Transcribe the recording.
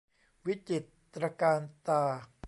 วิจิตรตระการตา